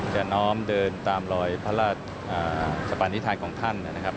จะน้อมเดินตามรอยพระราชสปานิษฐานของท่านนะครับ